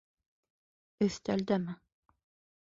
Өҫтәлдәме?